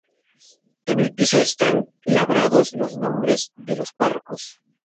En el piso están labrados los nombres de los párrocos.